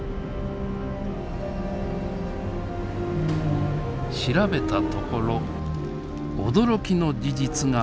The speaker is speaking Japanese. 調べたところ驚きの事実が明らかになりました。